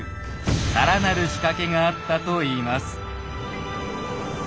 更なる仕掛けがあったといいます。